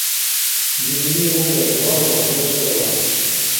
جميلې وويل:: وا وا، ډېر ښه روان یو.